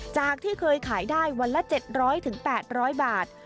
จากที่เคยขายได้วันละ๗๐๐๘๐๐บาท